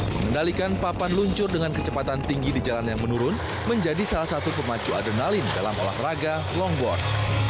mengendalikan papan luncur dengan kecepatan tinggi di jalan yang menurun menjadi salah satu pemacu adrenalin dalam olahraga longboard